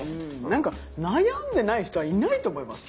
何か悩んでない人はいないと思いますよ。